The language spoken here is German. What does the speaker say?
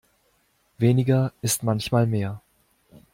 Weniger ist manchmal mehr.